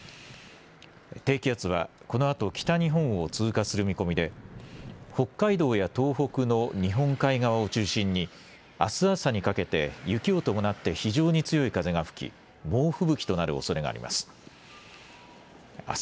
低気圧はこのあと北日本を通過する見込みで北海道や東北の日本海側を中心にあす朝にかけて雪を伴って非常に強い風が吹き猛吹雪となるおそれがあります。